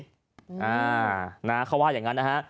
เขาว่าอย่างนั้นนะฮะ